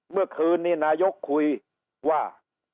เมื่อคืนนี้นายกคุยว่า